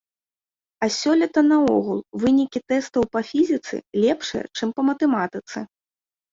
А сёлета наогул вынікі тэстаў па фізіцы лепшыя, чым па матэматыцы.